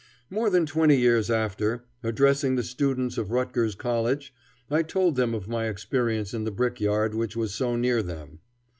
More than twenty years after, addressing the students of Rutgers College, I told them of my experience in the brick yard which was so near them.